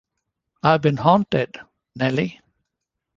I’ve been haunted, Nelly!